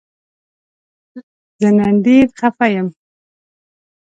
زه نن ډیر خفه یم